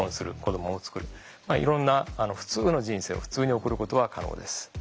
いろんな普通の人生を普通に送ることは可能です。